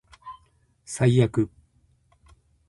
最悪